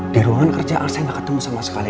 di ruangan kerja al saya gak ketemu sama sekali